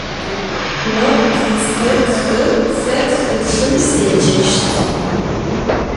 Vo pisme txı, se txılhım sêceşt.